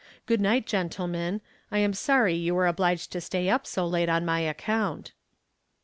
Good night, gentlemen. I am sorry you were obliged to stay up so late on my account."